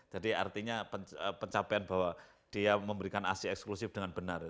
jadi artinya pencapaian bahwa dia memberikan asi eksklusif dengan benar